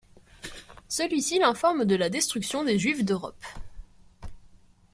Celui-ci l'informe de la destruction des Juifs d'Europe.